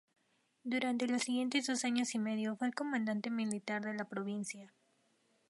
Durante los siguientes dos años y medio fue el comandante militar de la provincia.